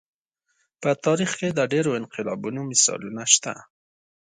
په تاریخ کې د ډېرو انقلابونو مثالونه شته.